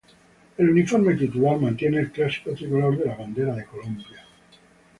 El uniforme titular mantiene el clásico tricolor de la Bandera de Colombia.